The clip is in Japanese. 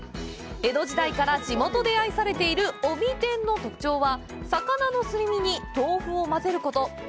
江戸時代から地元で愛されているおび天の特徴は魚のすり身に豆腐を混ぜること。